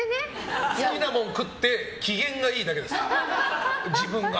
好きなもん食って機嫌がいいだけです、自分が。